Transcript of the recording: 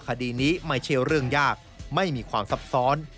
คดีนี้ไม่ใช่เรื่องยากไม่มีความซับซ้อน